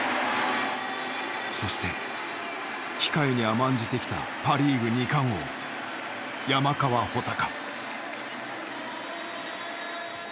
そして控えに甘んじてきたパ・リーグ二冠王山川穂高。